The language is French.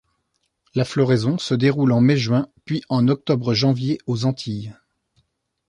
La floraison se déroule en mai-juin puis en octobre-janvier, aux Antilles.